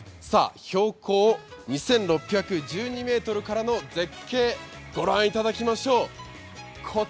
標高２６１２ｍからの絶景、御覧いただきましょう。